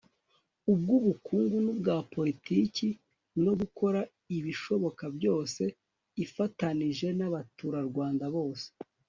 ubw'ubukungu n'ubwa politiki no gukora ibishoboka byose, ifatanije n'abaturarwanda bose